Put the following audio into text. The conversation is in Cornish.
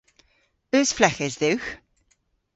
Eus fleghes dhywgh?